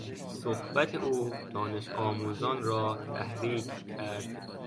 صحبت او دانش آموزان را تحریک کرد.